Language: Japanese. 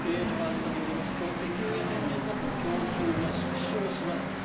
永濱さんによりますと石油や天然ガスの供給が縮小します